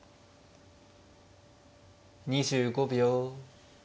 ２５秒。